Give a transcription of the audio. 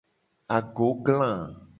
Agogla.